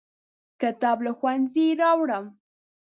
کتاب له ښوونځي راوړم.